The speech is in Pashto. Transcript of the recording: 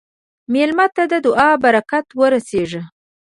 مېلمه ته د دعا برکت ورسېږه.